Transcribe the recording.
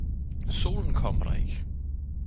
Solen kommer der ikke